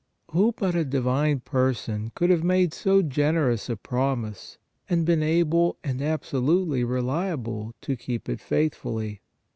Who but a divine Person could have made so gen erous a promise and been able and absolutely reli able to keep it faithfully?